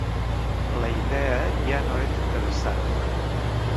La idea ja no era interessant.